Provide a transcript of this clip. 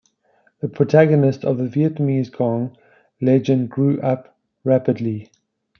The protagonist of the Vietnamese Giong legend grew up rapidly.